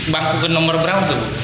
bangku ke nomor berapa bu